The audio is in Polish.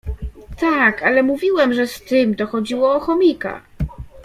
Tak, ale mówiłem, że z tym, to chodziło o chomika.